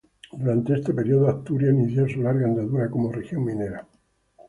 Durante este período, Asturias inicia su larga andadura como región minera.